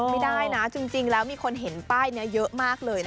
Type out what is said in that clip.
ไม่ได้นะจริงแล้วมีคนเห็นป้ายนี้เยอะมากเลยนะ